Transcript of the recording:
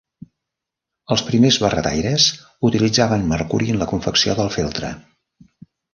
Els primers barretaires utilitzaven mercuri en la confecció del feltre.